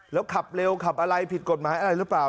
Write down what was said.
แล้วขับเร็วขับอะไรผิดกฎหมายอะไรหรือเปล่า